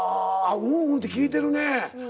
うんうんって聞いてるね。